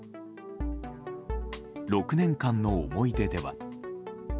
６年間の思い出では。